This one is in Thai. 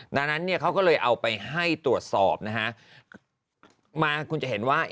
ดังนั้นเนี่ยเขาก็เลยเอาไปให้ตรวจสอบนะฮะมาคุณจะเห็นว่า